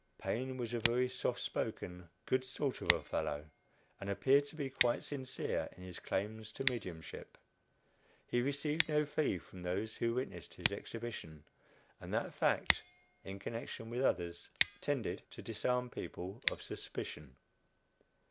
Paine was a very soft spoken, "good sort of a fellow," and appeared to be quite sincere in his claims to "mediumship." He received no fee from those who witnessed his exhibition; and that fact, in connection with others, tended to disarm people of suspicion.